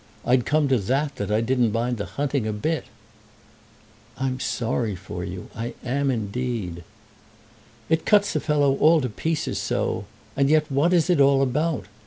I'd come to that, that I didn't mind the hunting a bit." "I'm sorry for you, I am indeed." "It cuts a fellow all to pieces so! And yet what is it all about?